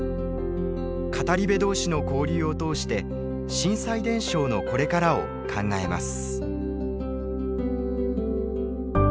語り部同士の交流を通して震災伝承のこれからを考えます。